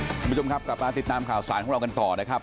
คุณผู้ชมครับกลับมาติดตามข่าวสารของเรากันต่อนะครับ